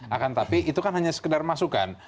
akan tapi itu kan hanya sekedar masukan